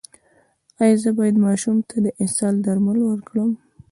ایا زه باید ماشوم ته د اسهال درمل ورکړم؟